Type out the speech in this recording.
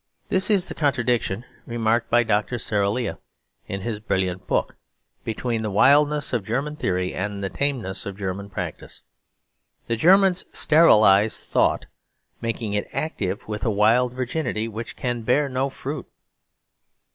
This is the contradiction remarked by Dr. Sarolea, in his brilliant book, between the wildness of German theory and the tameness of German practice. The Germans sterilise thought, making it active with a wild virginity; which can bear no fruit.